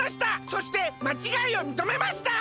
そしてまちがいをみとめました！